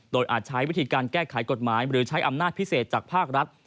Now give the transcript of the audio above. โดยอาจใช้วิธีการแก้ไขกฎหมายหรือใช้อำนาจพิเศษจากภาครัฐ